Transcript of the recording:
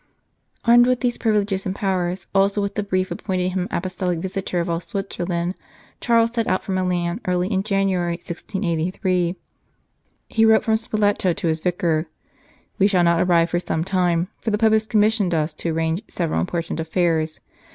Armed with these privileges and powers, also with the brief appointing him Apostolic Visitor of all Switzerland, Charles set out for Milan early in January, 1683. He wrote from Spoleto to his vicar : 208 The Cardinal of Santa Prassede "We shall not arrive for some time, for the Pope has commissioned us to arrange several important affairs.